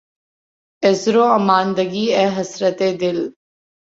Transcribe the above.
عذر واماندگی، اے حسرتِ دل!